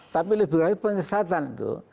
tapi lebih lagi penyesatan tuh